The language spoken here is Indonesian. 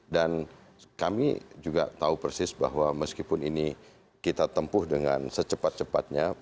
dan kami juga tahu persis bahwa meskipun ini kita tempuh dengan secepat cepatnya